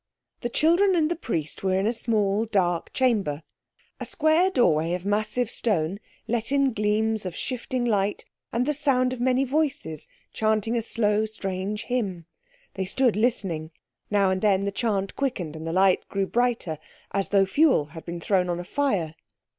The children and the Priest were in a small, dark chamber. A square doorway of massive stone let in gleams of shifting light, and the sound of many voices chanting a slow, strange hymn. They stood listening. Now and then the chant quickened and the light grew brighter, as though fuel had been thrown on a fire.